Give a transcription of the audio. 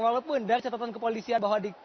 walaupun dari catatan kepolisian bahwa